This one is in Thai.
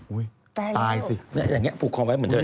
อุ๊ยตายแล้วตายสิอย่างนี้ผูกคอไว้เหมือนเดิม